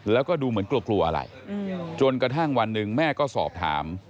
แล้วก็ดูเหมือนกลัวกลัวอะไรจนกระทั่งวันหนึ่งแม่ก็สอบถาม